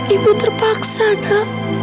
ibu terpaksa nak